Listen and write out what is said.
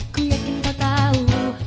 kuyakin kau tahu